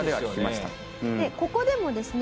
でここでもですね